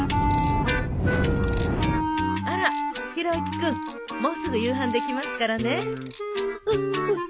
あらひろあき君もうすぐ夕飯できますからね。